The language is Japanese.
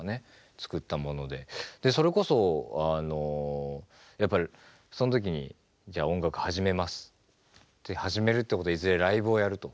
作ったものでそれこそやっぱりその時にじゃあ音楽始めますって始めるってことはいずれライブをやると。